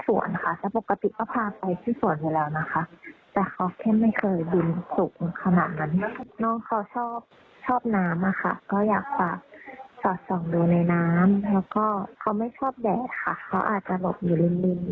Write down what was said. วัดแดดค่ะเขาอาจจะหลบอยู่ริง